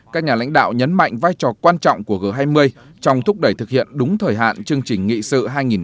các nhà lãnh đạo nhấn mạnh vai trò quan trọng của g hai mươi trong thúc đẩy thực hiện đúng thời hạn chương trình nghị sự hai nghìn ba mươi